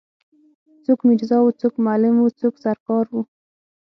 څوک میرزا وو څوک معلم وو څوک سر کار وو.